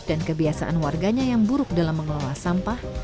dan kebiasaan warganya yang buruk dalam mengelola sampah